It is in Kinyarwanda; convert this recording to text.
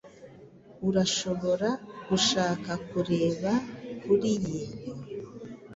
Urashobora gushaka kureba kuriyi.